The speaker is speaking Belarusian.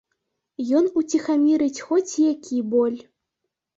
Ён уціхамірыць хоць які боль.